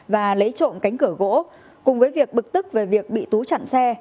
và lấy trộm cánh cửa gỗ cùng với việc bực tức về việc bị tú chặn xe